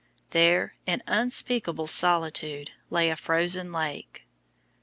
There, in unspeakable solitude, lay a frozen lake.